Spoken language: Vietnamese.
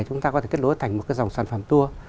chúng ta có thể kết nối thành một cái dòng sản phẩm tour